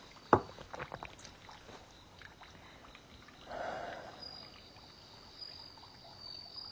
はあ。